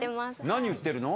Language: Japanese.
何売ってるの？